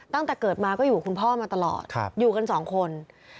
ตั้งแต่เกิดมาก็อยู่คุณพ่อมาตลอดอยู่กันสองคน